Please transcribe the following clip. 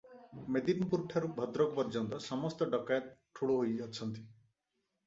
ମେଦିନିପୁରଠାରୁ ଭଦ୍ରକ ପର୍ଯ୍ୟନ୍ତ ସମସ୍ତ ଡକାଏତ ଠୁଳ ହୋଇଅଛନ୍ତି ।